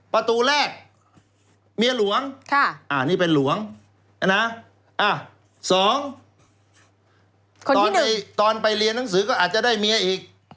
ประตูแรกเมียหลวงนี่เป็นหลวงนะ๒ตอนไปเรียนหนังสือก็อาจจะได้เมียอีก